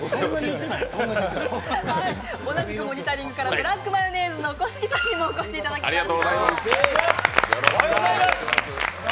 同じく「モニタリング」からブラックマヨネーズの小杉さんにもお越しいただきました。